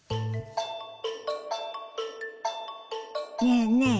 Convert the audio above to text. ねえねえ